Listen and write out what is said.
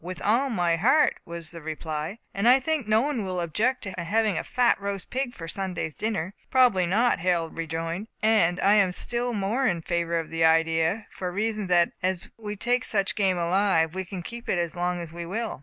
"With all my heart," was the reply; "and I think no one will object to our having a fat roast pig for our Sunday's dinner." "Probably not," Harold rejoined, "and I am still more in favour of the idea, for the reason that, as we take such game alive, we can keep it as long as we will."